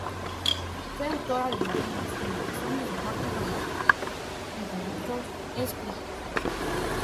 Fue autora de novelas y narraciones de corte romántico, y de otros escritos.